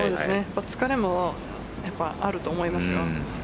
疲れもやっぱあると思いますよ。